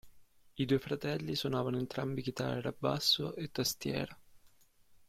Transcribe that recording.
I due fratelli suonavano entrambi chitarra, basso e tastiere.